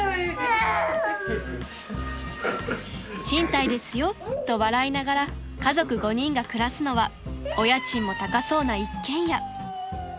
［「賃貸ですよ」と笑いながら家族５人が暮らすのはお家賃も高そうな一軒家］